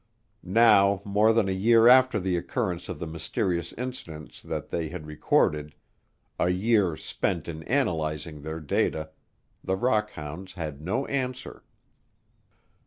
Now, more than a year after the occurrence of the mysterious incidents that they had recorded, a year spent in analyzing their data, the "rock hounds" had no answer.